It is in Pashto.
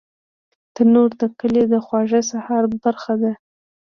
تنور د کلي د خواږه سهار برخه ده